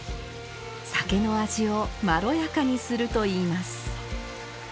酒の味をまろやかにするといいます